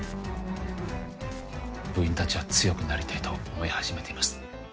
部員たちは強くなりたいと思い始めています